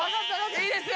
いいですよ！